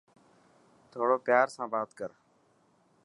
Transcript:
ٿورو پيار سان بات ڪر.